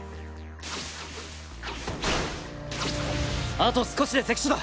あと少しで関所だ。